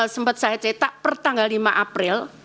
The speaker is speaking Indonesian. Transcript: sempat saya cetak per tanggal lima april